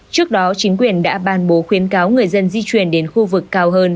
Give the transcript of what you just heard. trước đó chính quyền đã ban bố khuyến cáo người dân di chuyển đến khu vực cao hơn